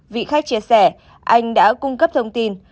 vị khách chia sẻ anh đã cung cấp thông tin